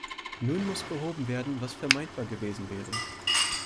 Nun muss behoben werden, was vermeidbar gewesen wäre.